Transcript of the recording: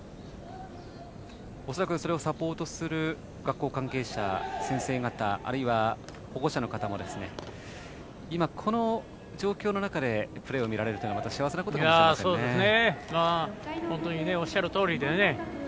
恐らく、それをサポートする学校関係者、先生方あるいは、保護者の方もこの状況の中でプレーを見られるというのは幸せなことですね。